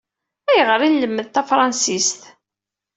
Ayɣer i nlemmed tafransist?